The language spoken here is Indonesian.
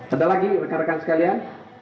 ada lagi rekan rekan sekalian